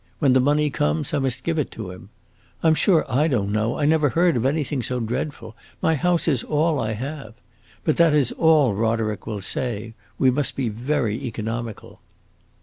When the money comes I must give it to him. I 'm sure I don't know; I never heard of anything so dreadful! My house is all I have. But that is all Roderick will say. We must be very economical."